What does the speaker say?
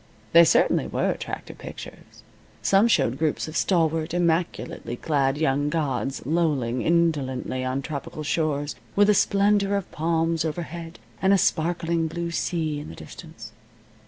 They certainly were attractive pictures. Some showed groups of stalwart, immaculately clad young gods lolling indolently on tropical shores, with a splendor of palms overhead, and a sparkling blue sea in the distance.